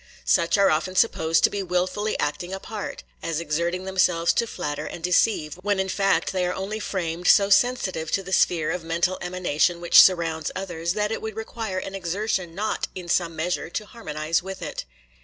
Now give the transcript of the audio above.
Such are often supposed to be wilfully acting a part, as exerting themselves to flatter and deceive, when in fact they are only framed so sensitive to the sphere of mental emanation which surrounds others that it would require an exertion not in some measure to harmonize with it.